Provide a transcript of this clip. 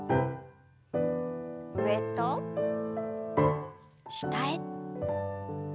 上と下へ。